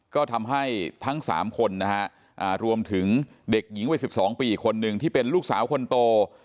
ก็ทำให้ทั้ง๓คนนะฮะรวมถึงเด็กหญิงวัย๑๒ปีอีกคนนึงที่เป็นลูกสาวคนโต